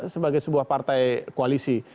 sebagai sebuah partai koalisi